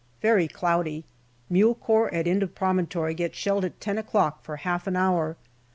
Very cloudy. Mule Corps at end of promontory get shelled at ten o'clock for half an hour.